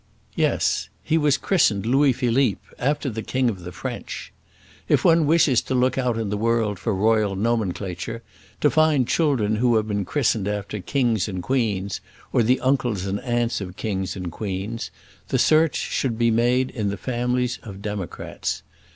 Yes; he was christened Louis Philippe, after the King of the French. If one wishes to look out in the world for royal nomenclature, to find children who have been christened after kings and queens, or the uncles and aunts of kings and queens, the search should be made in the families of democrats.